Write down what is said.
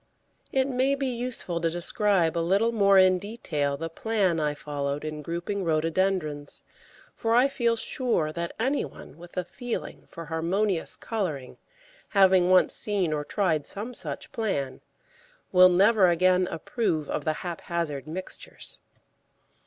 ] It may be useful to describe a little more in detail the plan I followed in grouping Rhododendrons, for I feel sure that any one with a feeling for harmonious colouring, having once seen or tried some such plan, will never again approve of the haphazard mixtures.